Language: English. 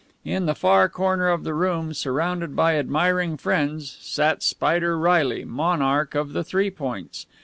In the far corner of the room, surrounded by admiring friends, sat Spider Reilly, monarch of the Three Points.